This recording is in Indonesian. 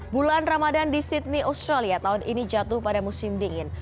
bulan ramadan di sydney australia tahun ini jatuh pada musim dingin